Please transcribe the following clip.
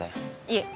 いえ。